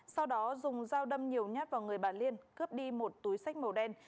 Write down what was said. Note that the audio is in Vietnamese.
sau đó dùng dao đâm nhiều nhát vào người bà liên cướp đi một túi sách màu đen